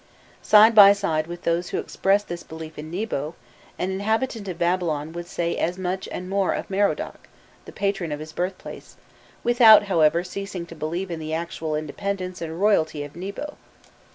Side by side with those who expressed this belief in Nebo, an inhabitant of Babylon would say as much and more of Merodach, the patron of his birthplace, without, however, ceasing to believe in the actual independence and royalty of Nebo.